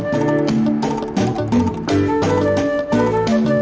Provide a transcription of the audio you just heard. boleh saya pikir pikir dulu